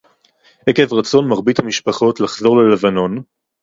עקב רצון מרבית המשפחות לחזור ללבנון